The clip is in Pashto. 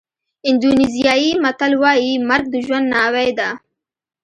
اندونېزیایي متل وایي مرګ د ژوند ناوې ده.